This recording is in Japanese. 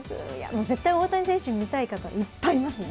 絶対大谷選手、見たい方、いっぱいいますね。